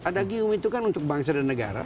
ada giu itu kan untuk bangsa dan negara